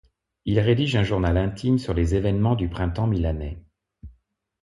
Il rédige un journal intime sur les événements du printemps milanais.